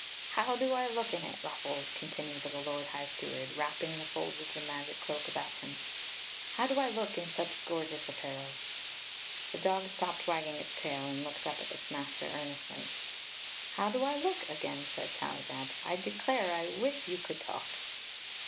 "How do I look in it, Ruffles? continued the lord high steward, wrapping the folds of the magic cloak about him ;" how do I look in such gorgeous apparel ?" The dog stopped wagging its tail and looked up at its master earnestly. "How do I look?" again said Tallydab. "I de clare, I wish you could talk